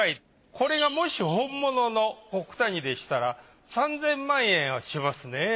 これがもし本物の古九谷でしたら３，０００万円はしますね。